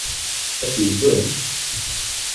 Ad t-yeddem?